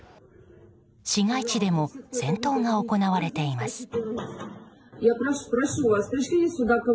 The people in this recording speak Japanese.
市街地でも戦闘が行われています。